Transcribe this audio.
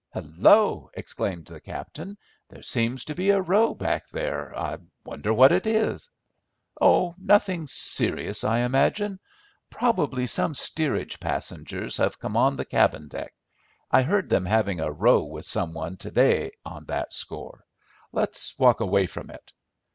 "Hallo," exclaimed the captain, "there seems to be a row back there. I wonder what it is?" "Oh, nothing serious, I imagine. Probably some steerage passengers have come on the cabin deck. I heard them having a row with some one to day on that score. Let's walk away from it."